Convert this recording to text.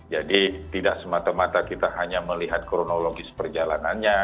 jadi tidak semata mata kita hanya melihat kronologis perjalanannya